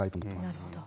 なるほど。